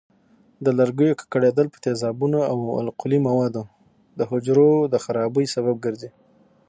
د لرګیو ککړېدل په تیزابونو او القلي موادو د حجرو د خرابۍ سبب ګرځي.